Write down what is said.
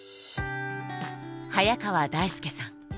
早川大輔さん。